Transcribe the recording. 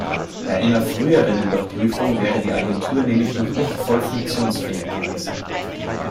Bei einer früheren Überprüfung wäre die Agentur nämlich noch nicht voll funktionsfähig gewesen.